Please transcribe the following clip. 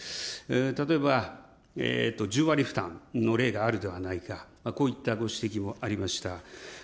例えば１０割負担の例があるではないか、こういったご指摘もありました。